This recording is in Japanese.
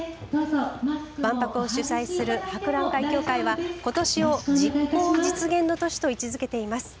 万博を主宰する博覧会協会はことしを実行実現の年と位置づけています。